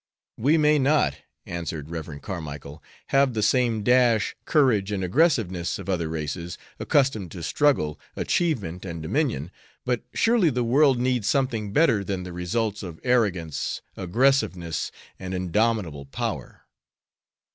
"We may not," answered Rev. Carmicle, "have the same dash, courage, and aggressiveness of other races, accustomed to struggle, achievement, and dominion, but surely the world needs something better than the results of arrogance, aggressiveness, and indomitable power.